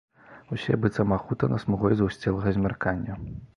Усе быццам ахутана смугой згусцелага змяркання.